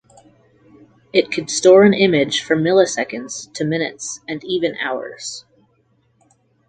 It could store an image for milliseconds to minutes and even hours.